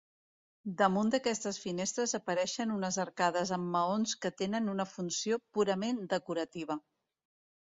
Damunt d'aquestes finestres apareixen unes arcades amb maons que tenen una funció purament decorativa.